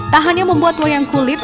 tak hanya membuat wayang kulit